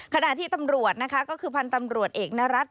ขณะที่ตำรวจนะคะก็คือพันธ์ตำรวจเอกนรัฐ